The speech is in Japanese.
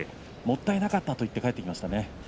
もったいなかったと言って帰ってきました。